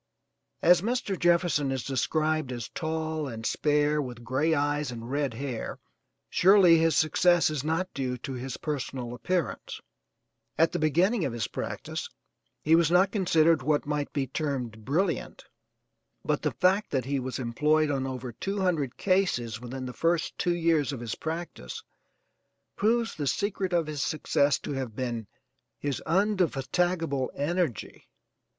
As Mr. Jefferson is described as tall and spare with gray eyes and red hair, surely his success is not due to his personal appearance. At the beginning of his practice he was not considered what might be termed brilliant, but the fact that he was employed on over two hundred cases within the first two years of his practice proves the secret of his success to have been his undefatigable energy.